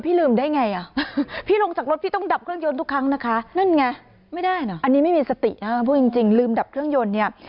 พี่ลืมได้ไงพี่ลงจากรถต้องดับเครื่องยนท์ทุกครั้งนะคะ